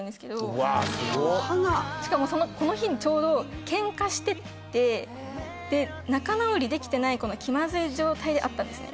しかもこの日にちょうどケンカしててで仲直りできてないこの気まずい状態で会ったんですね